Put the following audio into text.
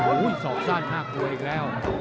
โอ้โหสอกสั้นน่ากลัวอีกแล้ว